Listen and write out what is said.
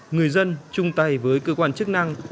người dân chung tay với cơ quan chức năng